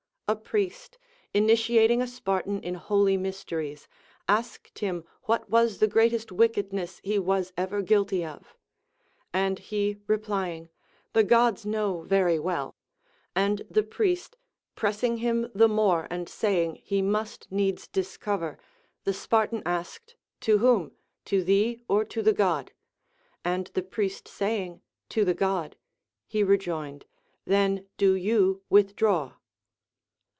A priest initiating a Spartan in holy mysteries asked him what was the greatest wickedness he was ever 440 LACONIC APOPHTHEGMS. guilty of. And he replying, The Gods know very well, and the priest pressing him the more and saying he must needs discover, the Spartan asked, To Avhom ? to thee or the God ] And the priest saying. To the God, he rejoined, Tlien do you withdraw.